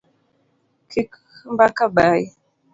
Kik mbaka bayi